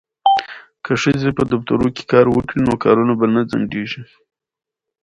که ښځې په دفترونو کې کار وکړي نو کارونه به نه ځنډیږي.